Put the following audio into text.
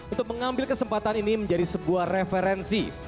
untuk mengambil kesempatan ini menjadi sebuah referensi